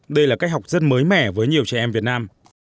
đây là cách học rất mới mẻ với nhiều trẻ em việt nam